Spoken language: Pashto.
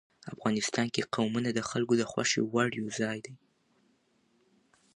افغانستان کې قومونه د خلکو د خوښې وړ یو ځای دی.